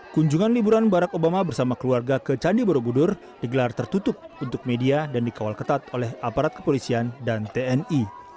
kunjungan liburan barack obama bersama keluarga ke candi borobudur digelar tertutup untuk media dan dikawal ketat oleh aparat kepolisian dan tni